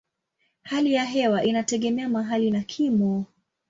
Hali ya hewa inategemea mahali na kimo.